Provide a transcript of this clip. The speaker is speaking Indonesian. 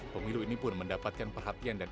pemilu ini pun mendapatkan perhatian dan